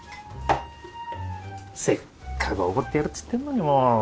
せっかくおごってやるつってんのにもう。